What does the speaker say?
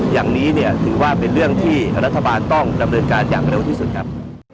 อย่างนี้เนี่ยถือว่าเป็นเรื่องที่รัฐบาลต้องดำเนินการอย่างเร็วที่สุดครับ